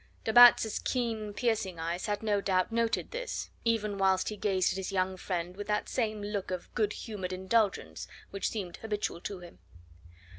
De Batz's keen piercing eyes had no doubt noted this, even whilst he gazed at his young friend with that same look of good humoured indulgence which seemed habitual to him.